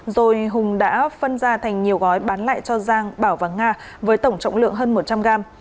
rồi hùng đã phân ra thành nhiều gói bán lại cho giang bảo và nga với tổng trọng lượng hơn một trăm linh gram